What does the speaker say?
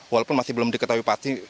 walaupun masih belum diketahui pasti